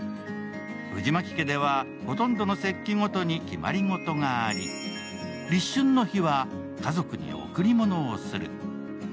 藤巻家ではほとんどの節気ごとに決まり事があり、立春の日は家族に贈り物をする。